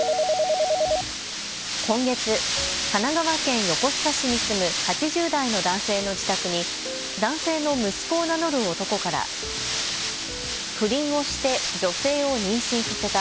今月、神奈川県横須賀市に住む８０代の男性の自宅に男性の息子を名乗る男から不倫をして女性を妊娠させた。